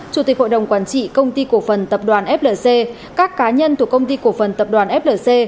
chủ tịch hội đồng quản trị công ty cổ phần tập đoàn flc các cá nhân thuộc công ty cổ phần tập đoàn flc